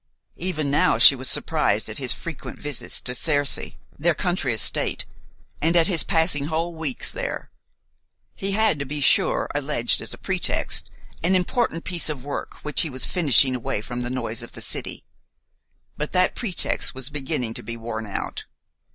Even now she was surprised at his frequent visits to Cercy, their country estate, and at his passing whole weeks there. He had, to be sure, alleged as a pretext, an important piece of work which he was finishing away from the noise of the city; but that pretext was beginning to be worn out.